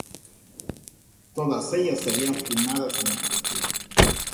Todas ellas serían filmadas en el futuro.